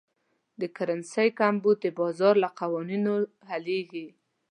د کرنسۍ کمبود د بازار له قوانینو حلېږي.